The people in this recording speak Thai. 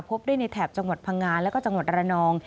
พบได้ในแถบจังหวัดพังงาแล้วก็จังหวัดระนอง